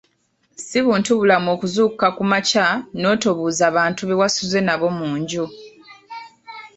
Si buntubulamu okuzuukuka ku makya n’otobuuza bantu bewasuze nabo mu nju.